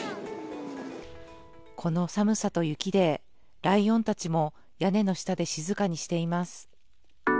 この寒さと雪でライオンたちも屋根の下で静かにしています。